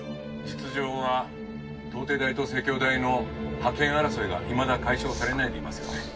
「実情は東帝大と西京大の覇権争いがいまだ解消されないでいますよね？」